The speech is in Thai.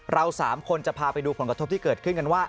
เรา๓คนจะพาไปดูผลกระทบที่เกิดขึ้นกันว่า